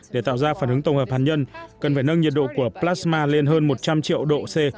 để tạo ra phản ứng tổng hợp hạt nhân cần phải nâng nhiệt độ của plasma lên hơn một trăm linh triệu độ c